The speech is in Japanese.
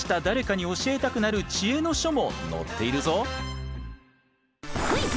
誰かに教えたくなる知恵の書も載っているぞ。